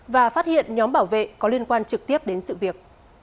và phát hiện nhóm bảo vệ có liên quan trực tiếp đến sự việc